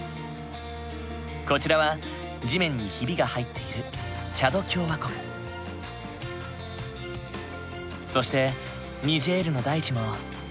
こちらは地面にひびが入っているそしてニジェールの大地も。